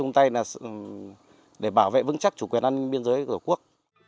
đây là để bảo vệ vững chắc chủ quyền an ninh biên giới của quốc